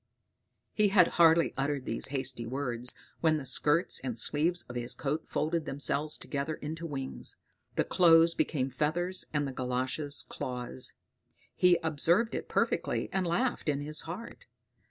He had hardly uttered these hasty words when the skirts and sleeves of his coat folded themselves together into wings; the clothes became feathers, and the galoshes claws. He observed it perfectly, and laughed in his heart.